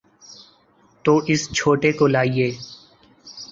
تو اس چھوٹے کو لائیے۔